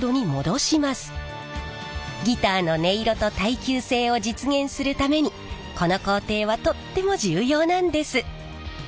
ギターの音色と耐久性を実現するためにこの工程はとっても重要なんです。